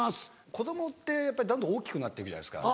子供ってやっぱりだんだん大きくなって行くじゃないですか。